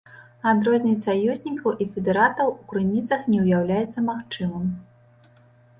Адрозніць саюзнікаў і федэратаў у крыніцах не ўяўляецца магчымым.